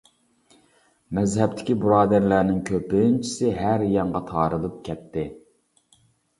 مەزھەپتىكى بۇرادەرلەرنىڭ كۆپىنچىسى ھەر يانغا تارىلىپ كەتتى.